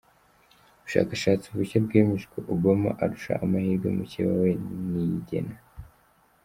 Ubushakashatsi bushya bwemeje ko Obama arusha amahirwe mukeba we Niyigena